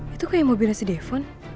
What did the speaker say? itu kayak mobilnya si defon